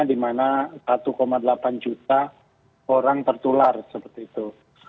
di mana satu delapan juta orang tertular seperti itu